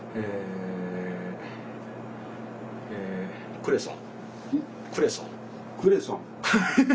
クレソン？